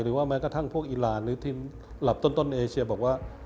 แม้กระทั่งพวกอีรานหรือทีมหลับต้นเอเชียบอกว่า